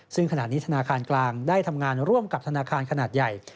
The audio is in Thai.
ซึ่งขณะนี้ธนาคารกลางได้ทำงานร่วมกับธนาคารขนาดใหญ่